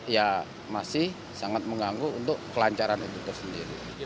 ya masih sangat mengganggu untuk kelancaran untuk itu sendiri